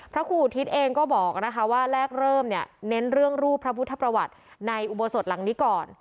พระครูอุทิศเองก็บอกนะคะว่าแรกเริ่มเนี่ยเน้นเรื่องรูปพระพุทธประวัติในอุโบสถหลังนี้ก่อน